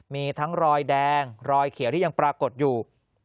มีทั้งรอยแดงรอยเขียวที่ยังปรากฏอยู่